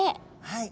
はい。